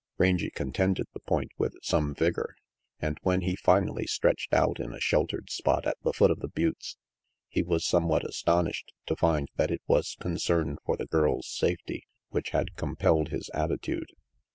Rangy contended the point with some vigor, and when he finally stretched out in a sheltered spot at the foot of the buttes he was somewhat astonished to find that it was concern for the girl's safety which had compelled his attitude.